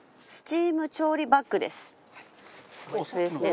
それですね。